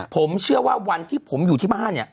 ผมเชื่อว่าวันที่ผมอยู่ที่บ้านเนี่ย